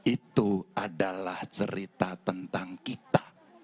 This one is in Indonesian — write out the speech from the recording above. itu adalah cerita tentang kita